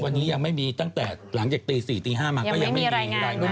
วันนี้ยังไม่มีตั้งแต่หลังจากตี๔ตี๕มาก็ยังไม่มีรายงาน